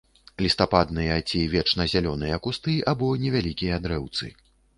Лістападныя ці вечназялёныя кусты або невялікія дрэўцы.